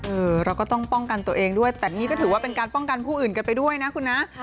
เราก็ต้องป้องกันตัวเองด้วยแต่นี่ก็ถือว่าเป็นการป้องกันผู้อื่นกันไปด้วยนะคุณนะ